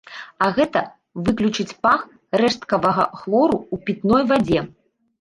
А гэта выключыць пах рэшткавага хлору ў пітной вадзе.